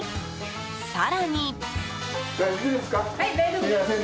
更に。